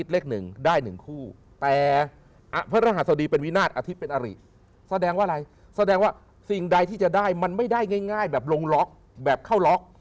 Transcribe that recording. แสดงว่าสิ่งใดที่จะได้มันไม่ได้ง่ายแบบลงล็อกแบบเข้าล็อก